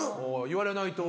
言われないと。